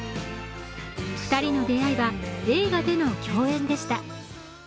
２人の出会いは映画での共演でした。